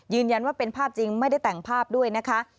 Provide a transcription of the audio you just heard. ว่าเป็นภาพจริงไม่ได้แต่งภาพด้วยนะคะ